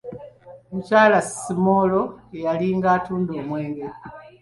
Mukyala 'Simoolo' eyalinga atunda omwenge.